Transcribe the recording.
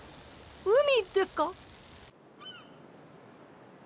海ですか？